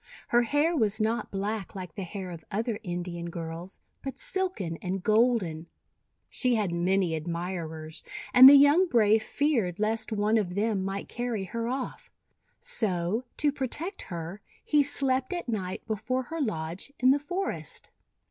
Her hair was not black like the hair of other Indian girls, but silken and golden. She had many admirers, and the young brave feared lest one of them might carry her off. So, to protect her, he slept at night before her lodge in the forest.